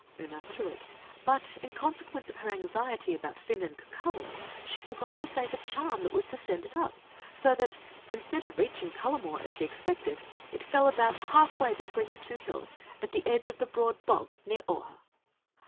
Oonagh threw it; but, in consequence of her anxiety about Fin and Cucullin, she forgot to say the charm that was to send it up, so that, instead of reaching Cullamore, as she expected, it fell about half way between the two hills, at the edge of the Broad Bog near Augher.